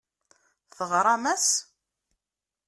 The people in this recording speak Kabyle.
Teɣram-as?